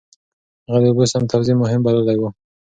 هغه د اوبو سم توزيع مهم بللی و.